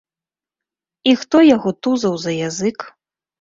І хто яго тузаў за язык?